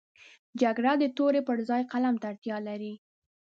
جګړه د تورې پر ځای قلم ته اړتیا لري